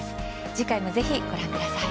次回もぜひご覧ください。